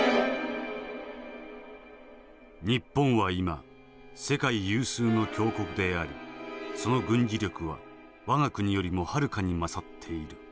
「日本は今世界有数の強国でありその軍事力は我が国よりもはるかに勝っている。